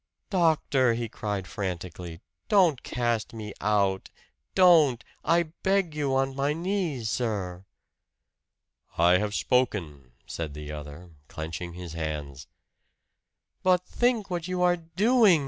"Doctor," he cried frantically, "don't cast me out! Don't! I beg you on my knees, sir!" "I have spoken," said the other, clenching his hands. "But think what you are doing!"